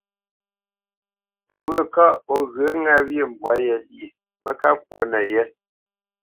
Fɔ wyə̂ kaʼ o ghyə ŋâ wyê mbwǎ yé lyê mə́ ká ŋkwǒ nəyé.